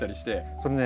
それね